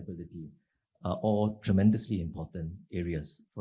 semua adalah area yang sangat penting